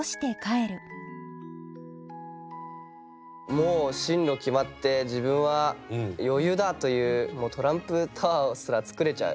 もう進路決まって自分は余裕だ！というトランプタワーすら作れちゃう。